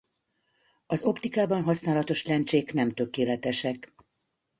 Az optikában használatos lencsék nem tökéletesek.